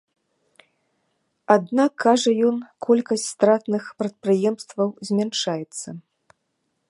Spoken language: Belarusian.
Аднак, кажа ён, колькасць стратных прадпрыемстваў змяншаецца.